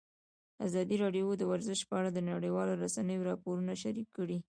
ازادي راډیو د ورزش په اړه د نړیوالو رسنیو راپورونه شریک کړي.